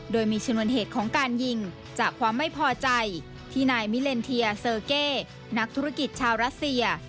โดยมีชนวนเหตุของการยิงจากความไม่พอใจที่นายมิเลนเทียเซอร์เก้นักธุรกิจชาวรัสเซีย